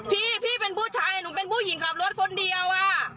พี่พี่เป็นผู้ชายหนูเป็นผู้หญิงขับรถคนเดียวอะ